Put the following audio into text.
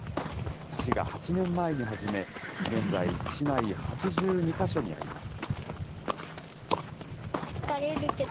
市が８年前に始め、現在、市内８２か所にあります。